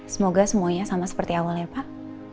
semoga semuanya sama seperti awal ya pak